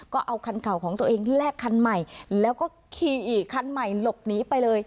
ก็เอาคันเก่าของตัวเองแลกคันใหม่แล้วก็ขี่อีกคันใหม่หลบหนีไปเลย